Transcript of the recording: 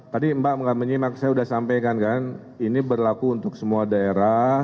tadi mbak menyimak saya sudah sampaikan kan ini berlaku untuk semua daerah